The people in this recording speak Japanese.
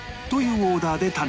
オーダーで誕生